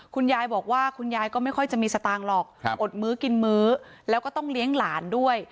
คุณยายบอกว่าคุณยายก็ไม่ค่อยจะมีสตางค์หรอกอดมื้อกินมื้อแล้วก็ต้องเลี้ยงหลานด้วย